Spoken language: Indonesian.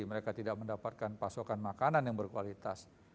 mereka tidak mendapatkan pasokan makanan yang berkualitas